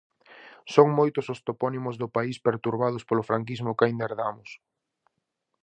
Son moitos os topónimos do país perturbados polo franquismo que aínda herdamos.